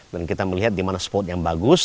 dan kita melihat di mana spot yang bagus